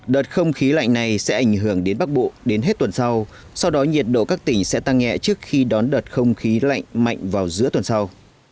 đợt không khí lạnh này sẽ ảnh hưởng đến bắc bộ đến hết tuần sau sau đó nhiệt độ các tỉnh sẽ tăng nhẹ trước khi đón đợt không khí lạnh mạnh vào giữa tuần sau